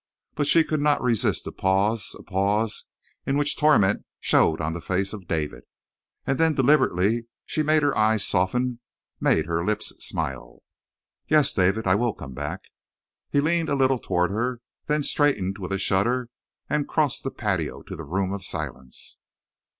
But she could not resist a pause a pause in which torment showed on the face of David. And then, deliberately, she made her eyes soften made her lips smile. "Yes, David, I will come back!" He leaned a little toward her, then straightened with a shudder and crossed the patio to the Room of Silence.